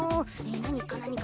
なにかなにか。